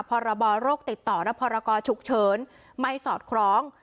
พรบโรคติดต่อและพรกรฉุกเฉินไม่สอดคล้อง